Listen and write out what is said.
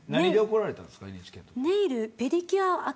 何で怒られたんですか。